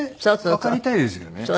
わかりたいです。